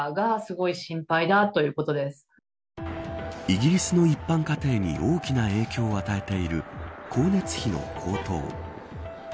イギリスの一般家庭に大きな影響を与えている光熱費の高騰。